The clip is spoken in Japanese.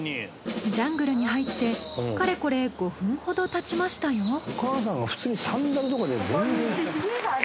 ジャングルに入ってかれこれ５分ほどたちましたよ。